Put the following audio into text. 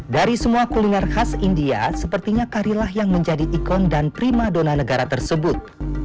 dari semua kuliner khas india sepertinya kari lah yang menjadi ikon dan prima dona negara tersebut